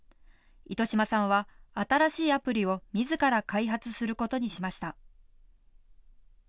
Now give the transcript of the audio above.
糸島さんは新しいアプリをみずから開発することにしました。